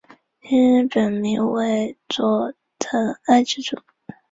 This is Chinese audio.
其日本名为佐藤爱之助。